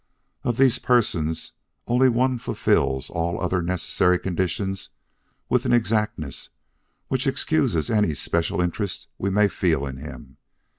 Of these persons, only one fulfills all other necessary conditions with an exactness which excuses any special interest we may feel in him.